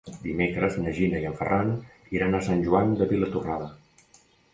Dimecres na Gina i en Ferran iran a Sant Joan de Vilatorrada.